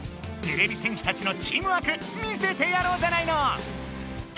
てれび戦士たちのチームワーク見せてやろうじゃないの！